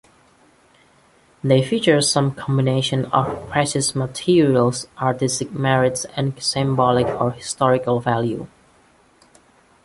They feature some combination of precious materials, artistic merit, and symbolic or historical value.